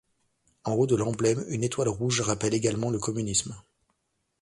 En haut de l'emblème, une étoile rouge rappelle également le communisme.